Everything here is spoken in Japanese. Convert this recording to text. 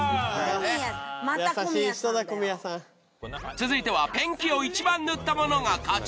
続いてはペンキをいちばん塗った者が勝ち。